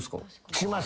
します。